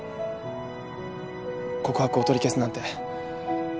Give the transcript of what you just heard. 告白を取り消すなんて。